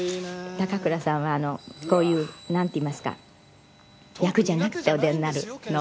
高倉さんはあのこういうなんていいますか役じゃなくてお出になるのは。